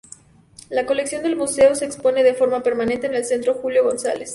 La colección del museo se expone de forma permanente en el Centro Julio González.